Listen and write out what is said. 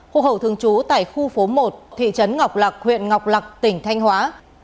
hồ hậu thương chú tại khu phố một thị trấn ngọc lạc huyện ngọc lạc tỉnh thanh hóa